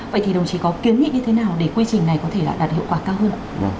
vậy thì đồng chí có kiến nhị như thế nào để quy trình này có thể là đạt hiệu quả cao hơn